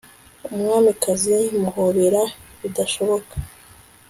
umwamikazi muhobera bidashoboka